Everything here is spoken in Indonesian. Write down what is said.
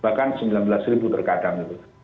bahkan rp sembilan belas terkadang gitu